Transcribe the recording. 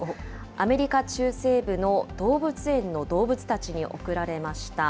アメリカ中西部の動物園の動物たちに贈られました。